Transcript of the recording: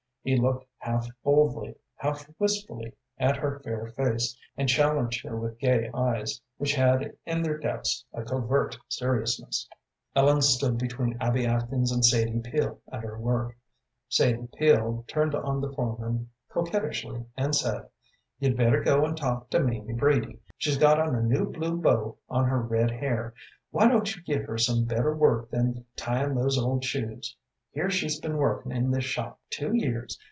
He looked half boldly, half wistfully at her fair face, and challenged her with gay eyes, which had in their depths a covert seriousness. Ellen stood between Abby Atkins and Sadie Peel at her work. Sadie Peel turned on the foreman coquettishly and said, "You'd better go an' talk to Mamie Brady, she's got on a new blue bow on her red hair. Why don't you give her some better work than tying those old shoes? Here she's been workin' in this shop two years.